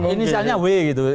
ini misalnya w gitu